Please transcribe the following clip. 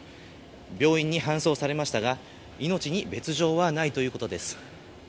病院に搬送されましたが命に別条はないということです。